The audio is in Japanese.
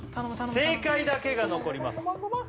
正解だけが残ります